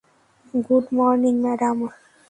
Good morning, madam.